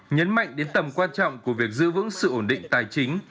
nhấn mạnh đến tầm quan trọng của việc giữ vững sự ổn định tài chính